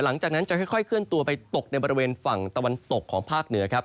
หลังจากนั้นจะค่อยเคลื่อนตัวไปตกในบริเวณฝั่งตะวันตกของภาคเหนือครับ